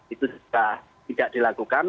itu sudah tidak dilakukan